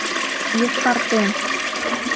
ЙОШКАРТЕН